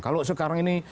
kalau sekarang ini